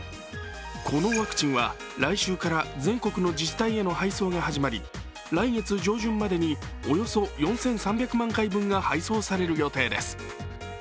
このワクチンは、来週から全国の自治体への配送が始まり来月上旬までに、およそ４３００万回分が配送される予定です。